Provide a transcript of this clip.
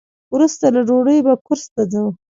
وروسته له ډوډۍ به کورس ته ځو.